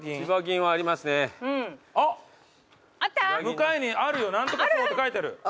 向かいにあるよ何とか荘って書いてある。